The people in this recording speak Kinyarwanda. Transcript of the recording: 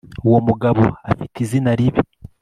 uwo mugabo afite izina ribi